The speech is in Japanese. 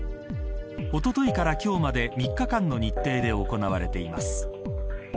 おとといから今日まで３日間の日程で行われています。